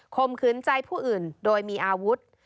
มขืนใจผู้อื่นโดยมีอาวุธ